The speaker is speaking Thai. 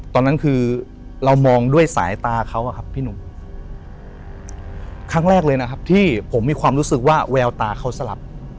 ตอนนั้นคือเรามองด้วยสายตาเขาอะครับพี่หนุ่มครั้งแรกเลยนะครับที่ผมมีความรู้สึกว่าแววตาเขาสลับ